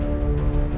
ya enggak apa apa